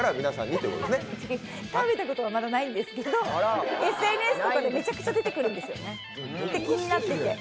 違う、食べたことはまだないんですけど、ＳＮＳとかでめちゃくちゃ出てくるんですよ、それで気になってて。